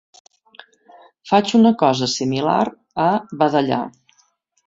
Faig una cosa similar a vedellar.